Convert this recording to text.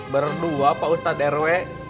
berdua pak ustadz rw